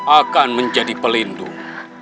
akan menjadi pelindung